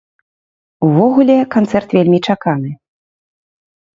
Увогуле канцэрт вельмі чаканы.